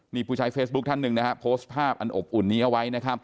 มีผู้ชายเฟซบุ๊คท่านหนึ่งโพสต์ภาพอบอุ่นนี้เอาไว้